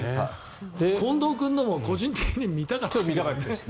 近藤君のも個人的には見たかったですよね。